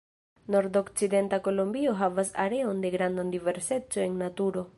Nordokcidenta Kolombio havas areon de granda diverseco en naturo.